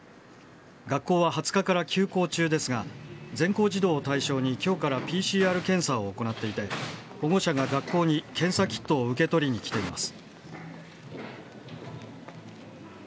学校は２０日から休校中ですが全校児童を対象に今日からＰＣＲ検査を行っていて保護者が学校に検査キットを受け取りに来ています。